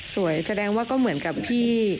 แสดงว่าก็เหมือนกับพี่